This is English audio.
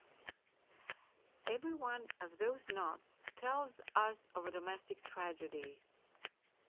Every one of those knots tells of a domestic tragedy.